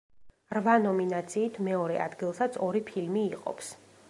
რვა ნომინაციით მეორე ადგილსაც ორი ფილმი იყოფს.